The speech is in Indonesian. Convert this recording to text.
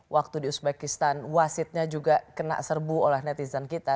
waktu di uzbekistan wasitnya juga kena serbu oleh netizen kita